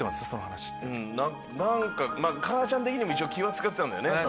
母ちゃん的にも一応気は使ってたんだよね。